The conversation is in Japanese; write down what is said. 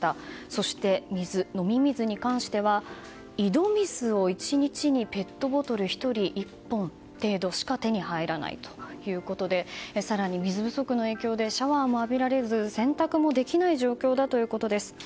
そして、飲み水に関しては井戸水を１日にペットボトル１人１本程度しか手に入らないということで更に水不足の影響でシャワーも浴びられず洗濯もできない状況だということです。